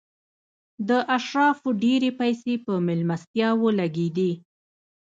د اشرافو ډېرې پیسې په مېلمستیاوو لګېدې.